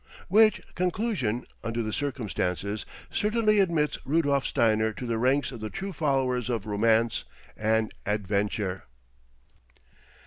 Which conclusion, under the circumstances, certainly admits Rudolf Steiner to the ranks of the true followers of Romance and Adventure.